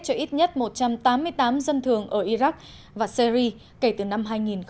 cho ít nhất một trăm tám mươi tám dân thường ở iraq và syri kể từ năm hai nghìn một mươi